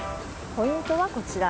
ポイントはこちら。